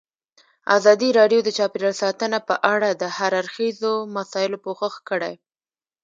ازادي راډیو د چاپیریال ساتنه په اړه د هر اړخیزو مسایلو پوښښ کړی.